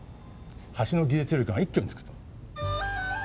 橋の技術力が一挙につくと。